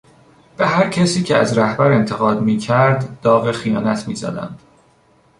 به هر کسی که از رهبر انتقاد میکرد داغ خیانت میزدند.